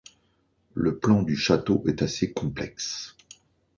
Le plan du château est assez complexe.